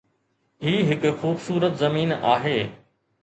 هي هڪ خوبصورت زمين آهي.